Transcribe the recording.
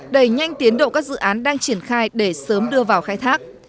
đẩy nhanh tiến độ các dự án đang triển khai để sớm đưa vào khai thác